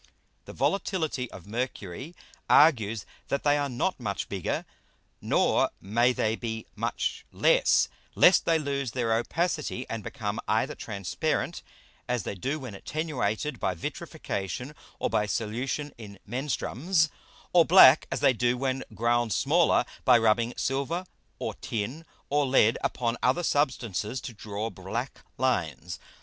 The Volatility of Mercury argues that they are not much bigger, nor may they be much less, lest they lose their Opacity, and become either transparent as they do when attenuated by Vitrification, or by Solution in Menstruums, or black as they do when ground smaller, by rubbing Silver, or Tin, or Lead, upon other Substances to draw black Lines.